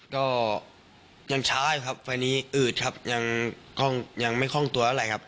ก็ยังช้าอยู่ครับไฟล์นี้อืดครับยังยังไม่คล่องตัวเท่าไหร่ครับ